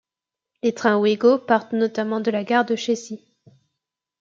Les trains Ouigo partent notamment de la gare de Chessy.